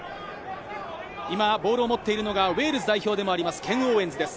今、ボールを持ってるのがウェールズ代表でもありますケン・オーウェンズです。